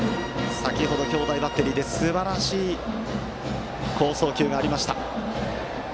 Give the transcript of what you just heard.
先程、兄弟バッテリーですばらしい好送球がありました。